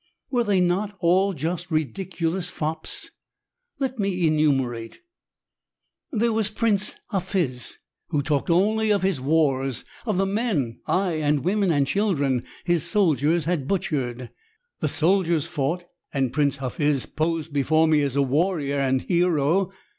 Were they not all just ridiculous fops? Let me enumerate: "There was Prince Hafiz who talked only of his wars of the men aye and women and children his soldiers had butchered. The soldiers fought and Prince Hafiz posed before me as a warrior and hero.